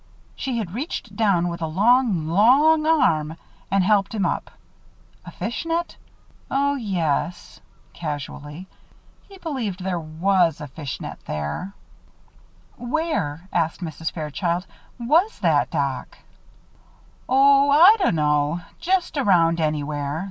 She had reached down with a long, long arm, and helped him up. A fishnet? Oh yes (casually), he believed there was a fish net there. "Where," asked Mrs. Fairchild, "was that dock?" "Oh, I dunno just around anywhere.